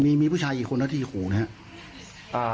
มีผู้ชายอีกคนแล้วที่คุมนะครับ